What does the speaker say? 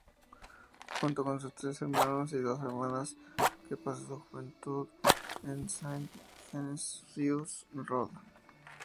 Junto con sus tres hermanos y dos hermanas que pasó su juventud en Sint-Genesius-Rode.